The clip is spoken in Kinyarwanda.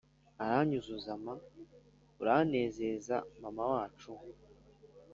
uranyuzuza ma! uranezeza mama wacu